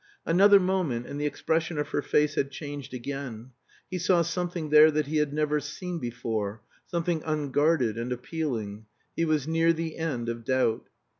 Another moment and the expression of her face had changed again; he saw something there that he had never seen before, something unguarded and appealing. He was near the end of doubt.